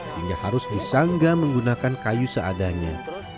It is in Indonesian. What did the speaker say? hingga harus disanggah menggunakan kayu seadanya